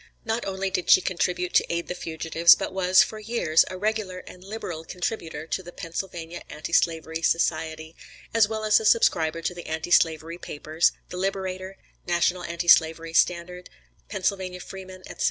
Not only did she contribute to aid the fugitives, but was, for years, a regular and liberal contributor to the Pennsylvania Anti slavery Society, as well as a subscriber to the Anti slavery papers, The "Liberator," "National Anti Slavery Standard," "Pennsylvania Freeman," etc.